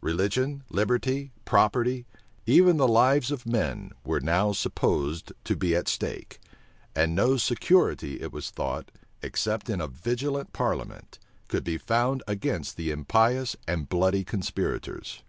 Religion, liberty, property, even the lives of men, were now supposed to be at stake; and no security, it was thought, except in a vigilant parliament, could be found against the impious and bloody conspirators.